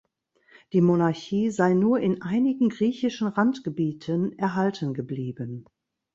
Die Monarchie sei nur in einigen griechischen Randgebieten erhalten geblieben.